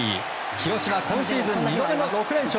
広島、今シーズン２度目の６連勝！